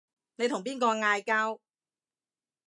你同邊個嗌交